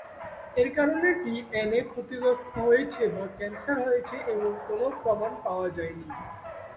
এর কারণে ডিএনএ ক্ষতিগ্রস্ত হয়েছে বা ক্যান্সার হয়েছে এমন কোন প্রমাণ পাওয়া যায়নি।